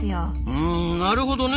うんなるほどね。